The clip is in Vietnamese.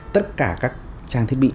tất cả các trang thiết bị